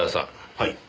はい。